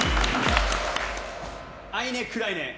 「アイネクライネ」。